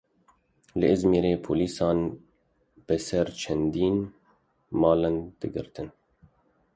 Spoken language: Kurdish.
Li Izmîrê polîsan bi ser çendîn malan de girtin.